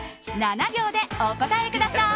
７秒でお答えください。